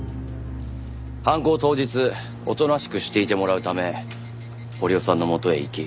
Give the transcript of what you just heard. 犯行当日おとなしくしていてもらうため堀尾さんの元へ行き。